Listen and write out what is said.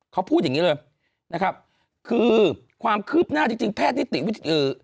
เขาพูดอย่างงี้เลยนะครับคือความคืบหน้าจริงจริงแพทย์นิติวิธี